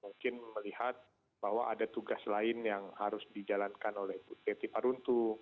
mungkin melihat bahwa ada tugas lain yang harus dijalankan oleh bu teti paruntu